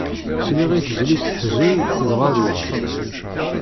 Sliɣ i tezlit teḥzen dɣa ruɣ-d.